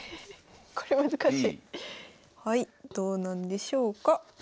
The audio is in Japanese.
どうなんでしょうか。